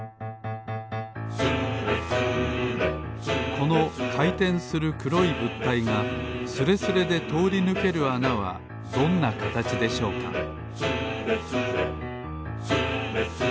このかいてんするくろいぶったいがスレスレでとおりぬけるあなはどんなかたちでしょうか「スレスレ」「スレスレスーレスレ」